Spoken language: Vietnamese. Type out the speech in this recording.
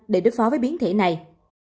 để đối phó với biến thể này